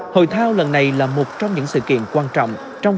hội thao lần này là một trong những sự kiện quan trọng trong